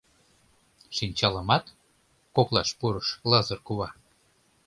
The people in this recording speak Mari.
— Шинчалымат? — коклаш пурыш Лазыр кува.